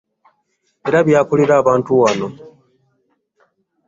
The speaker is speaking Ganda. Era byakolera abantu wonna